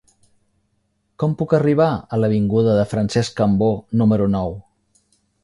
Com puc arribar a l'avinguda de Francesc Cambó número nou?